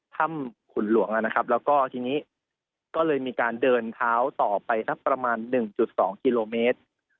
ท่ำขุนหลวงอ่ะนะครับแล้วก็ทีนี้ก็เลยมีการเดินเท้าต่อไปทับประมาณหนึ่งจุดสองกิโลเมตร